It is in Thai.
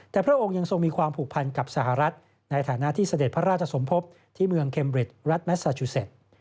แต่พระองค์ยังทรงมีความผูกพันกับสหรัฐในฐานะที่เสด็จพระราชสมภพที่เมืองเมริดรัฐแมสซาจูเซ็ต